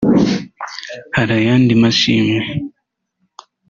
‘Hari ayandi mashimwe’